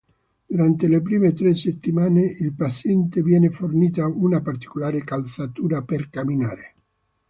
Durante le prime tre settimane, al paziente viene fornita una particolare calzatura per camminare.